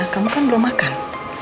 kamu kan belum makan